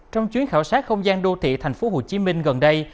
trong chuyến khảo sát không gian đô thị thành phố hồ chí minh gần đây